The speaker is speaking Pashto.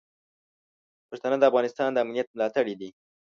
پښتانه د افغانستان د امنیت ملاتړي دي.